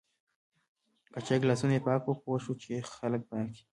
که چای ګلاسونه یی پاک و پوهه شه چی خلک پاک دی